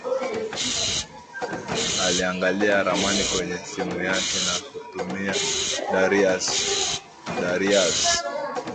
Aliangalia ramani kwenye simu yake na kumtumia Darius